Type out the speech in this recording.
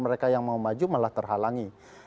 mereka yang mau maju malah terhalangi